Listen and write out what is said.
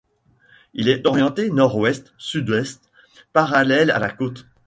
Il est orienté Nord-Ouest - Sud-Est, parallèle à la côte.